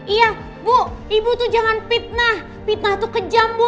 iya bu ibu tuh jangan fitnah fitnah tuh kejam bu